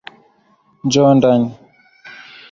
Njoo ndani.